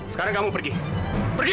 sekarang kamu pergi pergi